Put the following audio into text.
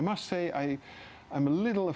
dan saya harus mengatakan